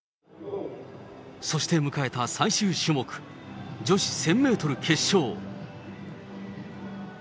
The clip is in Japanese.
そして迎えた最終種目、女子１０００メートル決勝。